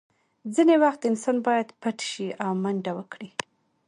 ځینې وخت انسان باید پټ شي او منډه وکړي